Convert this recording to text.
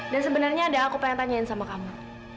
dan sebenarnya ada yang aku pengen tanyain sama kamu